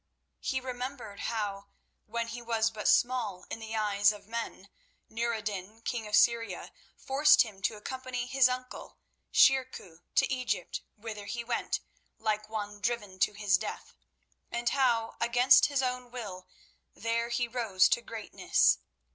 He remembered how, when he was but small in the eyes of men, Nour ed din, king of Syria, forced him to accompany his uncle, Shirkuh, to Egypt, whither he went, "like one driven to his death," and how, against his own will, there he rose to greatness.